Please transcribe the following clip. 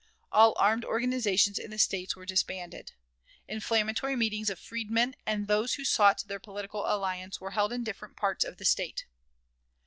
All armed organizations in the State were disbanded. Inflammatory meetings of freedmen and those who sought their political alliance were held in different parts of the State.